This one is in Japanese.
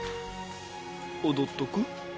踊っとく？